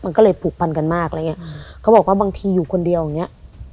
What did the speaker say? มันก็เลยผูกพันกันมากอะไรอย่างเงี้ยเขาบอกว่าบางทีอยู่คนเดียวอย่างเงี้ย